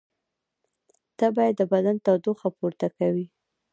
تبې د بدن تودوخه پورته کوي